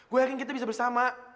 gue akhirnya kita bisa bersama